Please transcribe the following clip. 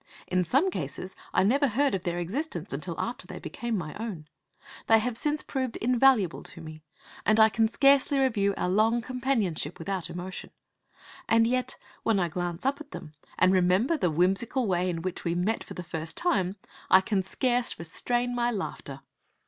In some cases I never heard of their existence until after they became my own. They have since proved invaluable to me, and I can scarcely review our long companionship without emotion. Yet when I glance up at them, and remember the whimsical way in which we met for the first time, I can scarce restrain my laughter.